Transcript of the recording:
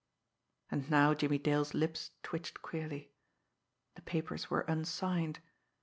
And now Jimmie Dale's lips twitched queerly. The papers were unsigned.